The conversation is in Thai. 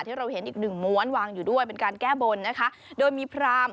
ที่เราเห็นอีกหนึ่งม้วนวางอยู่ด้วยเป็นการแก้บนนะคะโดยมีพราม